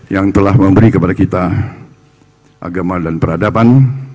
yang telah memberi kepada kita agama dan peradaban